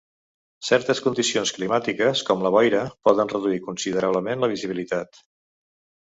Certes condicions climàtiques, com la boira, poden reduir considerablement la visibilitat.